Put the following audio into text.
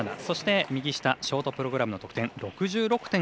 そしてショートプログラムの得点６６．１１。